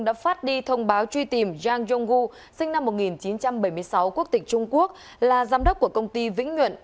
đã phát đi thông báo truy tìm zhang zhonggu sinh năm một nghìn chín trăm bảy mươi sáu quốc tịch trung quốc là giám đốc của công ty vĩnh nguyện